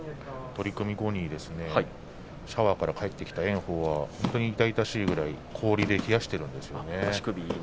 取組後にシャワーから帰ってきた炎鵬は痛々しいくらい氷で冷やしているんですね。